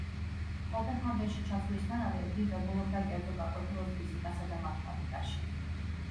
კოპენჰაგენში ჩასვლისთანავე იგი ღებულობდა კერძო გაკვეთილებს ფიზიკასა და მათემატიკაში.